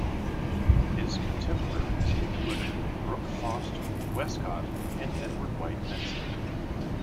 His contemporaries included Brooke Foss Westcott and Edward White Benson.